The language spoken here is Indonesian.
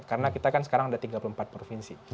karena kita kan sekarang ada tiga puluh empat provinsi